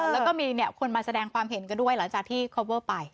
แล้วก็มีคนมาแสดงความเห็นกันด้วยหลังจากที่คอปเวอร์ไป